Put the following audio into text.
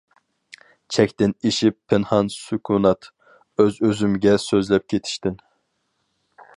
چەكتىن ئېشىپ پىنھان سۈكۈنات، ئۆز-ئۆزۈمگە سۆزلەپ كېتىشتىن.